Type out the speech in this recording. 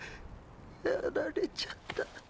やられちゃった。